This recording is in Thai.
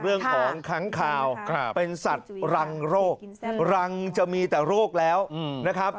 เรื่องของค้างคาวเป็นสัตว์รังโรครังจะมีแต่โรคแล้วนะครับ